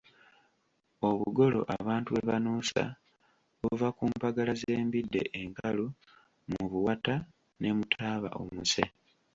Obugolo abantu bwe banuusa buva ku mpagala z'embidde enkalu, mu buwata ne mu taba omuse.